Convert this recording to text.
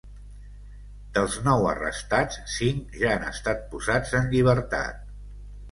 Dels nou arrestats, cinc ja han estat posats en llibertat.